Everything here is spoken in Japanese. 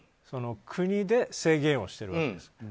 国で、制限しているわけです。